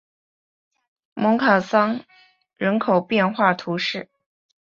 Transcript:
蒙卡桑人口变化图示